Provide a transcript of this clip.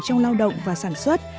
trong lao động và sản xuất